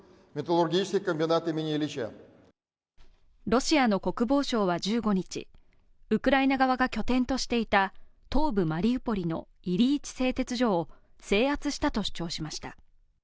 ロシアの国防省は１５日ウクライナ側が拠点としていた東部マリウポリのイリイチ製鉄所を制圧したと主張しました。